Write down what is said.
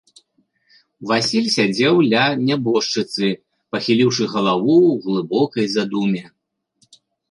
Васіль сядзеў ля нябожчыцы, пахіліўшы галаву ў глыбокай задуме.